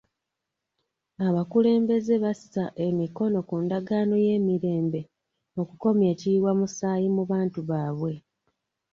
Abakulembeze bassa emikono ku ndagaano y'emirembe okukomya ekiyiwamusaayi mu bantu baabwe.